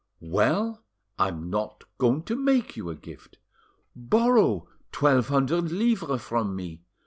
"Well, I'm not going to make you a gift. Borrow twelve hundred livres from me.